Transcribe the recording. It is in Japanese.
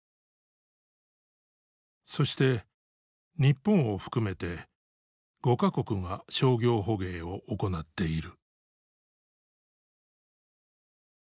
そして日本を含めて５か国が商業捕鯨を行っている。